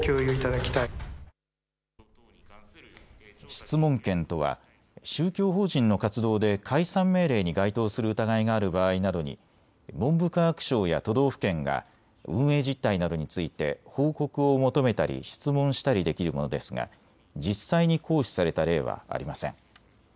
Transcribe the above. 質問権とは宗教法人の活動で解散命令に該当する疑いがある場合などに文部科学省や都道府県が運営実態などについて報告を求めたり質問したりできるものですが実際に行使された例はありません。